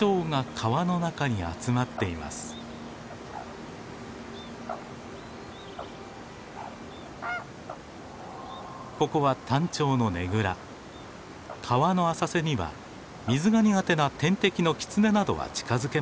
川の浅瀬には水が苦手な天敵のキツネなどは近づけません。